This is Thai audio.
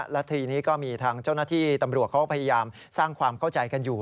และทีนี้ก็มีทางเจ้าหน้าที่ตำรวจเขาพยายามสร้างความเข้าใจกันอยู่